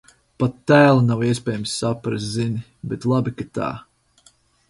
Pat tēlu nav iespējams saprast. Zini, bet labi, ka tā.